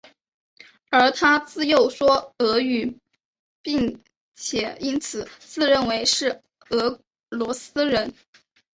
而他自幼说俄语并且因此自认为是俄罗斯人。